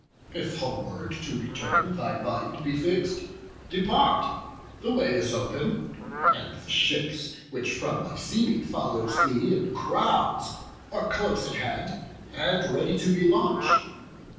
If homeward to return thy mind be fix'd, Depart; the way is open, and the ships, Which from Mycenæ follow'd thee in crowds, Are close at hand, and ready to be launch'd.